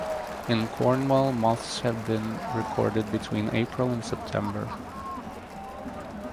In Cornwall moths have been recorded between April and September.